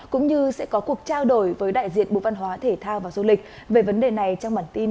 cũng như sẽ có cuộc trao đổi với đại diện bộ văn hóa thể thao và du lịch